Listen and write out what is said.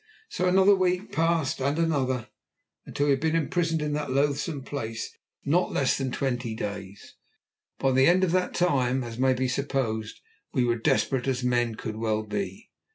So another week passed and another, until we had been imprisoned in that loathsome place not less than twenty days. By the end of that time, as may be supposed, we were as desperate as men could well be.